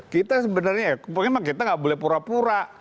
kita sebenarnya kita nggak boleh pura pura